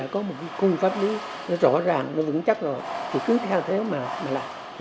có một khung pháp lý rõ ràng vững chắc cứ theo thế mà làm